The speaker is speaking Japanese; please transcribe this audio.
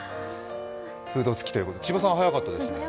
フードつきということで、千葉さん、早かったですね。